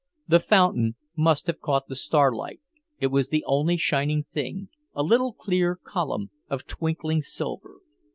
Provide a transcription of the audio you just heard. The fountain must have caught the starlight; it was the only shining thing, a little clear column of twinkling silver.